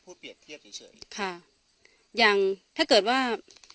อืมครับ